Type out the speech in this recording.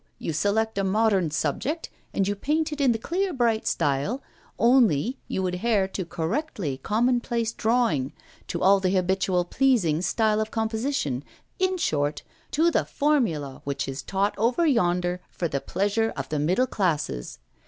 you select a modern subject, and you paint in the clear bright style, only you adhere to correctly commonplace drawing, to all the habitual pleasing style of composition in short, to the formula which is taught over yonder for the pleasure of the middle classes.